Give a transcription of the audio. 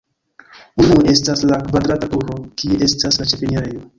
Unue estas la kvadrata turo, kie estas la ĉefenirejo.